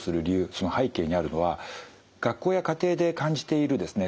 その背景にあるのは学校や家庭で感じているですね